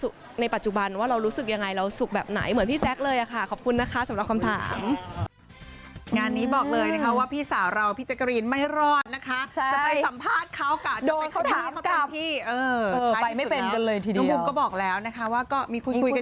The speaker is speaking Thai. คุณสุขแบบไหนเหมือนพี่แจ๊คเลยอะค่ะขอบคุณนะคะสำหรับคำถาม